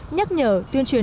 nhắc nhở tuyên truyền